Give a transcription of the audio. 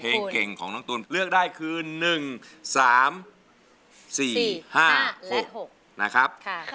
เพลงเก่งของน้องตูนเลือกได้คือ๑๓๔๕และ๖นะครับ